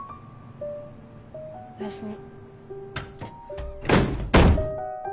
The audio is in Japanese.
おやすみ。